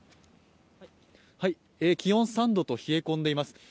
気温３度と冷え込んでいます